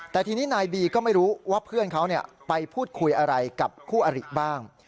แต่ทีนี้นายบีก็ไม่รู้ว่าเพื่อนเขาไปพูดคุยอะไรกับคู่อริบ้าง